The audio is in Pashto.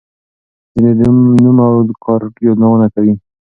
ځینې د نوم او کار یادونه کوي.